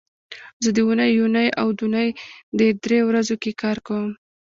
زه د اونۍ یونۍ او دونۍ دې درې ورځو کې کار کوم